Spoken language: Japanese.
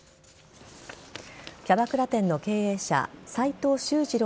キャバクラ店の経営者斎藤秀次郎